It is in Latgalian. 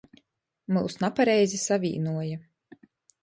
Myus napareizi savīnuoja.